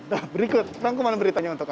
nah berikut rangkuman beritanya untuk anda